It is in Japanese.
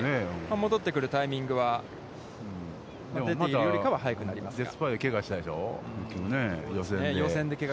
戻ってくるタイミングは、出ているよりかは早くなりましたが。